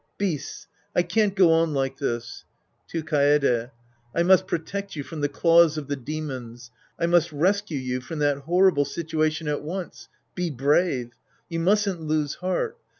Beasts ! I can't go on like this. ^7(3 Kaede.) I must protect you from the claws of the demons. I must rescue you from that horrible situa tion at once. Be brave. You mustn't lose heart.